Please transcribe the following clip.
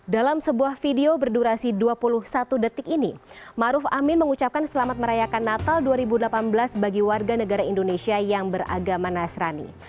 dalam sebuah video berdurasi dua puluh satu detik ini maruf amin mengucapkan selamat merayakan natal dua ribu delapan belas bagi warga negara indonesia yang beragama nasrani